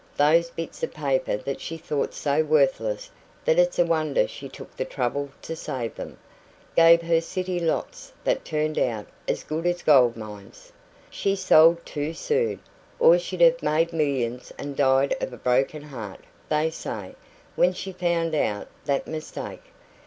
Those bits of paper that she thought so worthless that it's a wonder she took the trouble to save them, gave her city lots that turned out as good as gold mines. She sold too soon, or she'd have made millions and died of a broken heart, they say, when she found out that mistake.